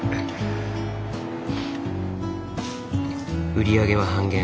売り上げは半減。